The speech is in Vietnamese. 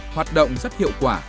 hoạt động rất hiệu quả